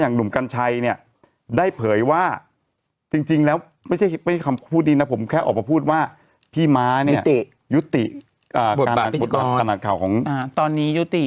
หนุ่มกัญชัยเนี่ยได้เผยว่าจริงแล้วไม่ใช่คำพูดนี้นะผมแค่ออกมาพูดว่าพี่ม้าเนี่ยยุติการตลาดข่าวของตอนนี้ยุติ